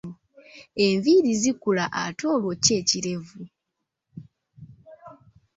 Enviiri zikula ate olwo kyo ekirevu?